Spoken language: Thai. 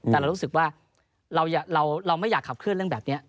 แต่เรารู้สึกว่าเราไม่อยากขับเคลื่อนเรื่องแบบนี้